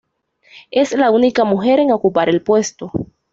Es la única mujer en ocupar el puesto.